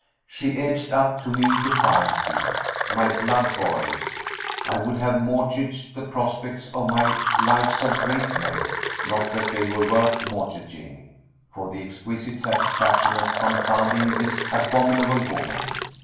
She edged up to me defiantly. My blood boiled. I would have mortgaged the prospects of my Lives of Great Men (not that they were worth mortgaging) for the exquisite satisfaction of confounding this abominable woman.